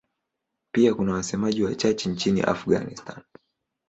Pia kuna wasemaji wachache nchini Afghanistan.